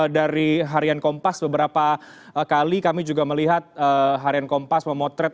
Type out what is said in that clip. dari harian kompas beberapa kali kami juga melihat harian kompas memotret